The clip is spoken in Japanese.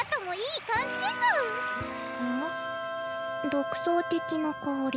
独創的な香り。